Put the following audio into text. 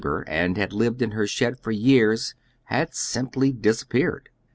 67 ibor and had lived in her shed for years had eimply disappeared.